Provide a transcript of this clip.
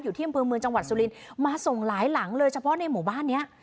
ที่อำเภอเมืองจังหวัดสุรินทร์มาส่งหลายหลังเลยเฉพาะในหมู่บ้านเนี้ย